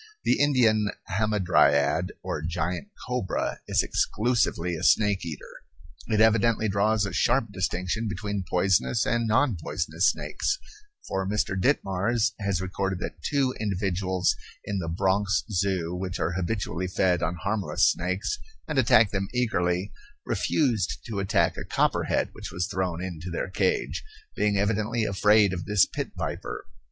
The Indian hamadryad, or giant cobra, is exclusively a snake eater. It evidently draws a sharp distinction between poisonous and non poisonous snakes, for Mr. Ditmars has recorded that two individuals in the Bronx Zoo which are habitually fed on harmless snakes, and attack them eagerly, refused to attack a copperhead which was thrown into their cage, being evidently afraid of this pit viper.